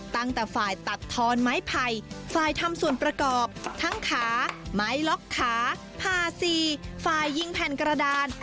ตั้งแต่ฝ่ายตัดทอนไม้ไผ่ฝ่ายทำส่วนประกอบทั้งขาไม้ล็อกขาผ่าสี่ฝ่ายยิงแผ่นกระดาน